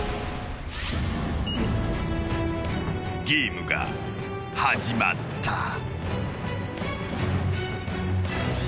［ゲームが始まった］